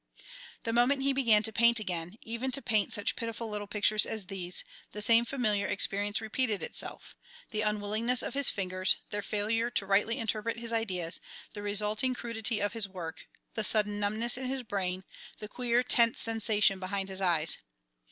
The moment he began to paint again even to paint such pitiful little pictures as these the same familiar experience repeated itself, the unwillingness of his fingers, their failure to rightly interpret his ideas, the resulting crudity of his work, the sudden numbness in his brain, the queer, tense sensation behind his eyes.